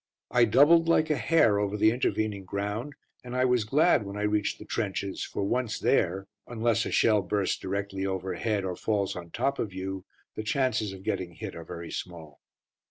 I doubled like a hare over the intervening ground, and I was glad when I reached the trenches, for once there, unless a shell bursts directly overhead, or falls on top of you, the chances of getting hit are very small.